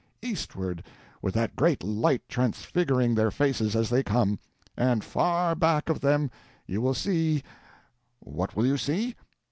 —eastward, with that great light transfiguring their faces as they come, and far back of them you will see what will you see?